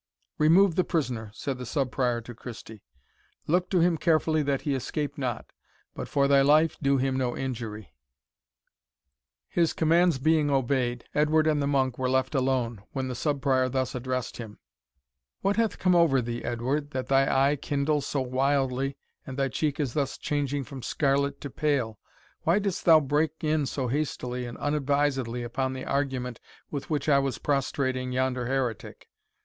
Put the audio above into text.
"Remove the prisoner," said the Sub Prior to Christie; "look to him carefully that he escape not; but for thy life do him no injury." His commands being obeyed, Edward and the monk were left alone, when the Sub Prior thus addressed him: "What hath come over thee, Edward, that thy eye kindles so wildly, and thy cheek is thus changing from scarlet to pale? Why didst thou break in so hastily and unadvisedly upon the argument with which I was prostrating yonder heretic?